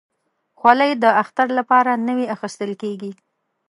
خولۍ د اختر لپاره نوي اخیستل کېږي.